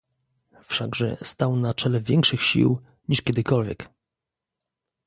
"Wszakże stał na czele większych sił, niż kiedykolwiek."